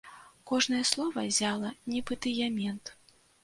Кожнае слова ззяла, нібы дыямент.